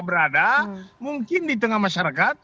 berada mungkin di tengah masyarakat